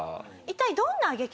一体どんな激